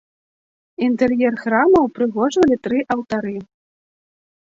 Інтэр'ер храма ўпрыгожвалі тры алтары.